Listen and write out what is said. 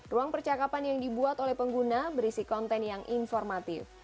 ruang percakapan yang dibuat oleh pengguna berisi konten yang informatif